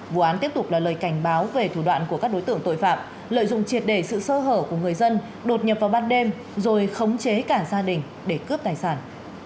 vụ án tiếp tục là lời cảnh báo về thủ đoạn của các đối tượng tội phạm lợi dụng triệt đề sự sơ hở của người dân đột nhập vào ban đêm rồi khống chế cả gia đình để cướp tài sản